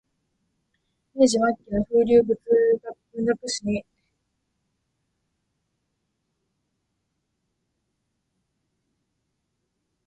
明治末期の風流文学史になるところが、あちらこちらに残っておりました